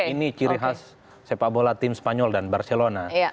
ini ciri khas sepak bola tim spanyol dan barcelona